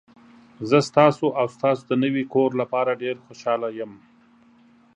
زه ستاسو او ستاسو د نوي کور لپاره ډیر خوشحاله یم.